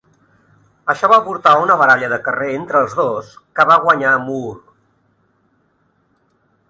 Això va portar a una baralla de carrer entre els dos, que va guanyar Moore.